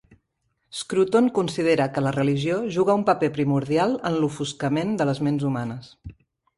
Scruton considera que la religió juga un paper primordial en l'"ofuscament" de les ments humanes.